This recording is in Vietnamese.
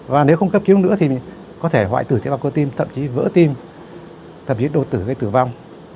và nếu không cấp cứu nữa thì có thể hoài thử thế bằng cơ tim thậm chí vỡ tim thậm chí đột tử gây tử vong